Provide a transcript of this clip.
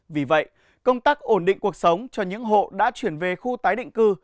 vì vậy công tác ổn định cuộc sống cho những hộ đã chuyển về khu tái định cư